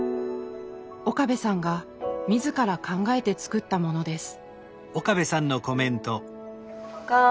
岡部さんが自ら考えて作ったものです。